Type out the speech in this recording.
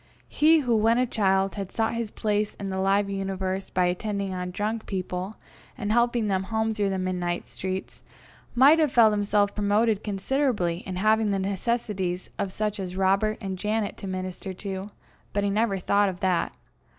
He who when a child had sought his place in the live universe by attending on drunk people and helping them home through the midnight streets, might have felt himself promoted considerably in having the necessities of such as Robert and Janet to minister to, but he never thought of that.